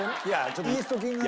イースト菌がね。